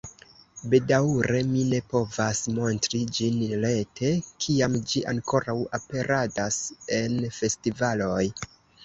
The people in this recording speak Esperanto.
Bedaŭre mi ne povas montri ĝin rete, kiam ĝi ankoraŭ aperadas en festivaloj.